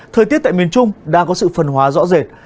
thời tiết tại miền trung đã có sự phân hóa rõ rệt